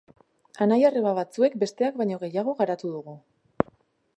Anai-arreba batzuek besteak baino gehiago garatu dugu.